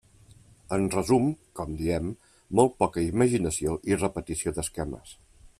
En resum, com diem, molt poca imaginació i repetició d'esquemes.